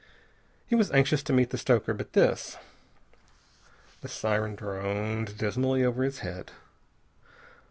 He was anxious to meet the stoker, but this.... The siren droned dismally over his head.